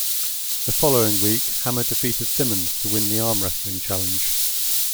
The following week Hammer defeated Simmons to win the arm wrestling challenge.